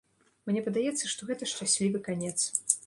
Мне падаецца, што гэта шчаслівы канец.